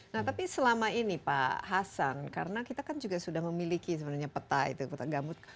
nah tapi selama ini pak hasan karena kita kan juga sudah memiliki sebenarnya peta itu peta gambut